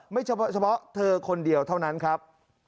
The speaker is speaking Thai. เฉพาะเธอคนเดียวเท่านั้นครับ